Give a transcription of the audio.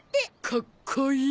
かっこいい。